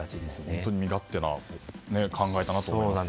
本当に身勝手な考えだなと思います。